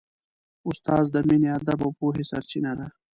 استاد د مینې، ادب او پوهې سرچینه ده.